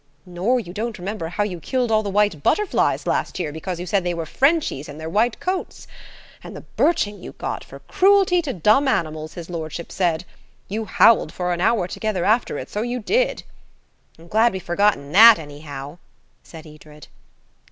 "Nor you don't remember how you killed all the white butterflies last year because you said they were Frenchies in their white coats? And the birching you got, for cruelty to dumb animals, his lordship said. You howled for an hour together after it, so you did." "I'm glad we've forgotten that, anyhow," said Edred.